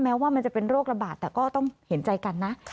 ว่ามันจะเป็นโรคระบาดแต่ก็ต้องเห็นใจกันนะ